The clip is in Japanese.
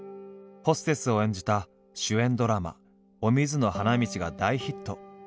ホステスを演じた主演ドラマ「お水の花道」が大ヒット。